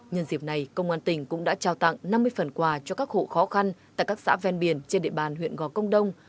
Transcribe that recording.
nhân dịp này công an tỉnh cũng đã trao tặng năm mươi phần quà cho các hộ khó khăn tại các xã ven biển trên địa bàn huyện gò công đông